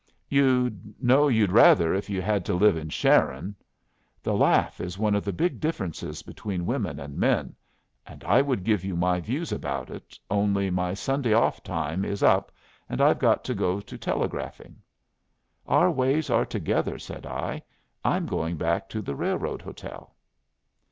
"You'd know you'd rather if you had to live in Sharon. The laugh is one of the big differences between women and men, and I would give you my views about it, only my Sunday off time is up, and I've got to go to telegraphing." "Our ways are together," said I. "I'm going back to the railroad hotel."